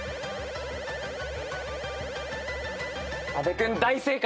阿部君大正解。